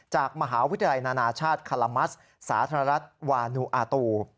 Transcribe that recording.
จากมหาวิทยาลัยนานาชาติคาลามัสสาธารณรัฐวานูอาตู